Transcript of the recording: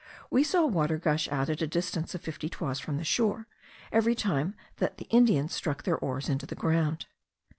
We saw water gush out at the distance of fifty toises from the shore, every time that the Indians struck their oars into the ground.